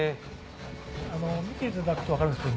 見ていただくと分かるんですけど。